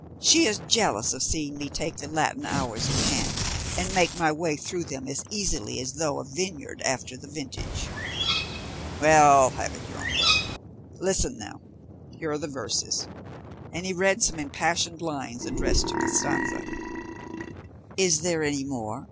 She is jealous of seeing me take the Latin hours in hand, and make my way through them as easily as through a vineyard after the vintage." "Well, have it your own way. Listen now, here are the verses;" and he read some impassioned lines addressed to Costanza. "Is there any more?"